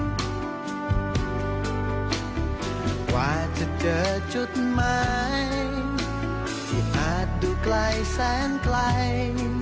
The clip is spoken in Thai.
กว่าจะเจอจุดใหม่ที่อาจดูไกลแสนไกล